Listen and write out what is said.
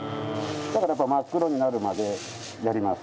だから真っ黒になるまでやります。